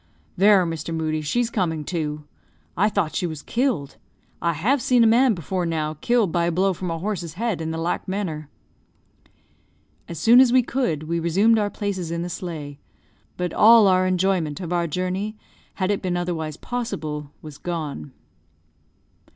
"There, Mr. Moodie, she's coming to. I thought she was killed. I have seen a man before now killed by a blow from a horse's head in the like manner." As soon as we could, we resumed our places in the sleigh; but all enjoyment of our journey, had it been otherwise possible, was gone.